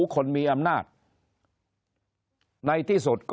คนในวงการสื่อ๓๐องค์กร